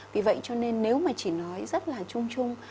vì vậy cho nên nếu mà chỉ nói rất là chung chung